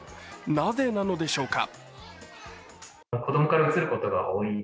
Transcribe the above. なぜなのでしょうか。